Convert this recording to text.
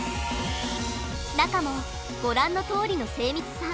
中もご覧のとおりの精密さ。